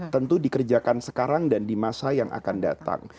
tentu dikerjakan sekarang dan di masa yang akan datang